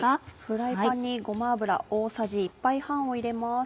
フライパンにごま油大さじ１杯半を入れます。